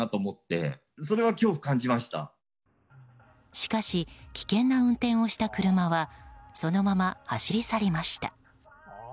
しかし、危険な運転をした車はそのまま走り去りました。